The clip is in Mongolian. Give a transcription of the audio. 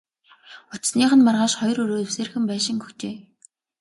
Очсоных нь маргааш хоёр өрөө эвсээрхэн байшин өгчээ.